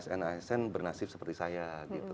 asn asn bernasib seperti saya gitu